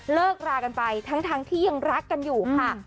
เลิกรากันไปทั้งที่ยังรักกันอยู่ค่ะ